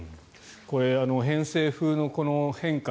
これ、偏西風の変化